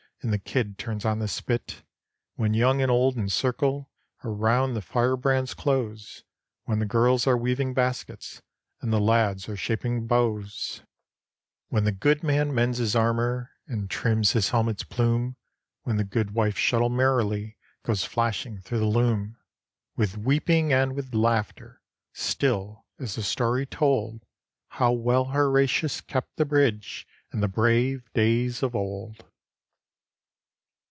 And the kid turns on the spit; When young and old in circle Around the firebrands close; When the girls are weaving baskets. And the lads are shaping bows; When the goodman mends his armor, And trims his helmet's plume; When the goodwife's shuttle merrily Goes flashing through the loom, — With weeping and with laughter Still is the story told. How well Horatius kept the bridge In the brave days of old.